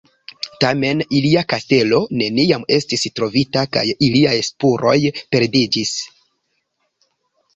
Tamen ilia kastelo neniam estis trovita kaj iliaj spuroj perdiĝis.